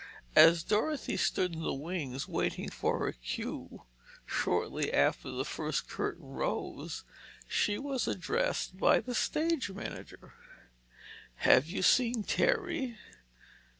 As Dorothy stood in the wings, waiting for her cue, shortly after the first curtain rose, she was addressed by the stage manager: "Have you seen Terry?"